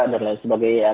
dan lain sebagainya